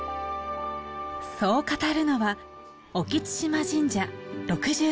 そう語るのは隠津島神社６３代目